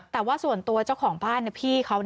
แต่ว่าส่วนตัวเจ้าของบ้านพี่เขา